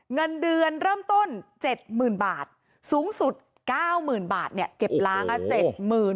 เงินเดือนเริ่มต้นเจ็ดหมื่นบาทสูงสุดเก้ามื่นบาทเนี่ยเก็บล้างก็เจ็ดหมื่น